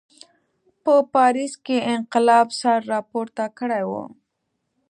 په پاریس کې انقلاب سر راپورته کړی و.